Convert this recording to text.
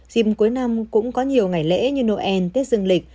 dịp cuối năm cũng có nhiều ngày lễ như noel tết dương lịch